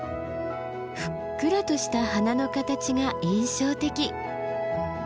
ふっくらとした花の形が印象的。